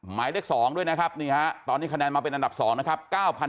หมายเลข๒ด้วยนะครับนี่ฮะตอนนี้คะแนนมาเป็นอันดับ๒นะครับ